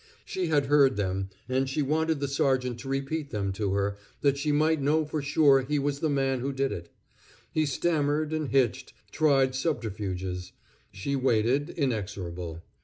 She had heard them, and she wanted the sergeant to repeat them to her, that she might know for sure he was the man who did it. He stammered and hitched tried subterfuges. She waited, inexorable.